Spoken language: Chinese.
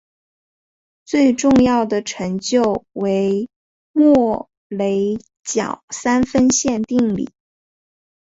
最重要的成就为莫雷角三分线定理。